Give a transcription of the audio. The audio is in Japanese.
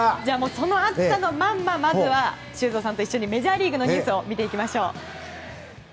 その熱さのまま修造さんと一緒にメジャーリーグのニュースを見ていきましょう。